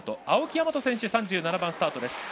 青木大和選手、３７番スタート。